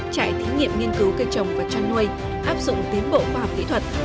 trải thí nghiệm nghiên cứu cây trồng và chăn nuôi áp dụng tiến bộ khoa học kỹ thuật